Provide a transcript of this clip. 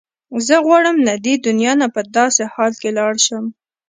زه غواړم له دې دنیا نه په داسې حال کې لاړه شم.